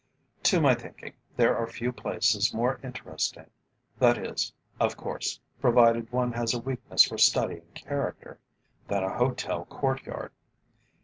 To my thinking, there are few places more interesting (that is, of course, provided one has a weakness for studying character) than a hotel courtyard.